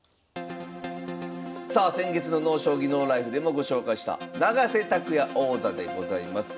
さあ先月の「ＮＯ将棋ＮＯＬＩＦＥ」でもご紹介した永瀬拓矢王座でございます。